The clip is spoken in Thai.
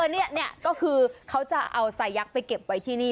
เนี่ยเนี่ยก็คือเขาจะเอาใสต์ยักษ์ไปเก็บไว้ที่นี่